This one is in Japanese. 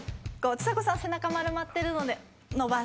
ちさ子さん背中丸まってるので伸ばして。